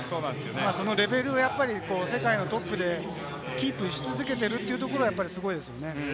そのレベルを世界のトップでキープし続けているというところはすごいですよね。